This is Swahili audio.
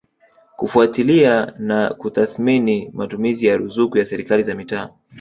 kufuatilia na kutathimini matumizi ya ruzuku ya Serikali za Mitaa